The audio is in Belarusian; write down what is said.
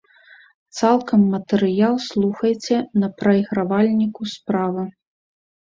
Цалкам матэрыял слухайце на прайгравальніку справа.